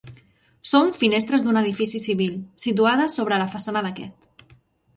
Són finestres d'un edifici civil, situades sobre la façana d'aquest.